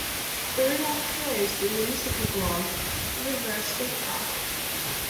The river flows through the Nissequogue River State Park.